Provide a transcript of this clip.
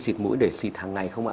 xịt mũi để xịt hàng ngày không ạ